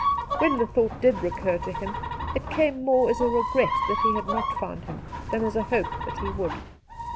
When the thought did recur to him it came more as a regret that he had not found him than as a hope that he would.